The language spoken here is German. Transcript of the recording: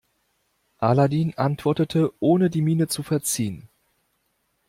Aladin antwortete, ohne die Miene zu verziehen.